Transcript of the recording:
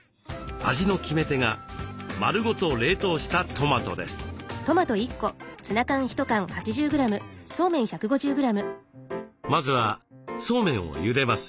味の決め手がまるごと冷凍したトマトですまずはそうめんをゆでます。